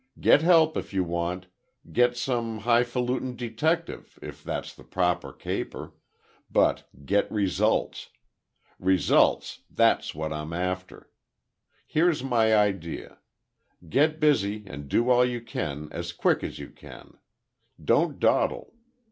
Get help if you want—get some hifalutin detective, if that's the proper caper—but, get results. Results, that's what I'm after! Here's my idea. Get busy, and do all you can as quick as you can. Don't dawdle.